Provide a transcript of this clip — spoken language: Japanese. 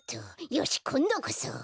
よしこんどこそ！